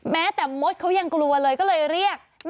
แม้แต่มดเขายังกลัวเลยก็เลยเรียก